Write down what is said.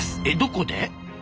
えどこで？